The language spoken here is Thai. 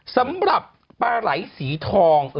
สำหรับประหลัยสีทอง